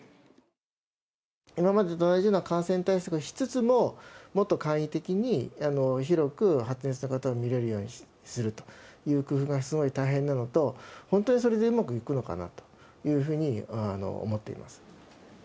今までと同じような感染対策しつつも、もっと簡易的に、広く発熱した方を診れるようにするという工夫がすごく大変なのと、本当にそれでうまくいくのかなというふうに思っています。